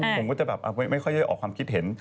ผมก็จะแบบไม่ค่อยได้ออกความคิดเห็น